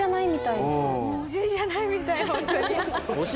お尻じゃないみたいホントに。